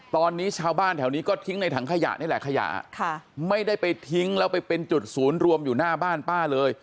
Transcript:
ตอนนี้ชาวบ้านแถวนี้ก็ทิ้งในถังขยะนี่แหละขยะไม่ได้ไปทิ้งแล้วไปเป็นจุดศูนย์รวมอยู่หน้าบ้านป้าเลย